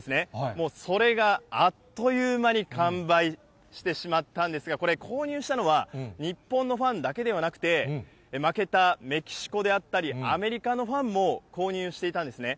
もうそれがあっという間に完売してしまったんですが、これ、購入したのは、日本のファンだけではなくて、負けたメキシコであったり、アメリカのファンも購入していたんですね。